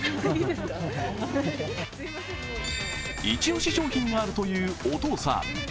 一押し商品があるというお父さん。